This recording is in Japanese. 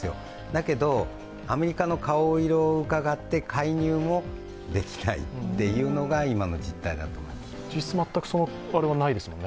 だけど、アメリカの顔色をうかがって介入もできないというのが今の実態だと思います。